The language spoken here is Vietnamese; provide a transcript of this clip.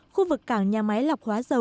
khu vực cảng nhà máy lọc hóa dầu